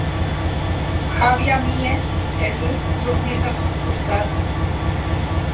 Javi amie e Lu dormís ath sòn costat.